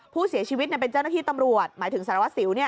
ผู้เสียชีวิตเป็นเจ้าหน้าที่ตำรวจหมายถึงสารวัสสิว